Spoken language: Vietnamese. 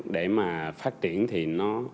để mà phát triển thì nó